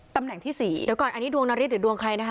ตำแหน่งที่๔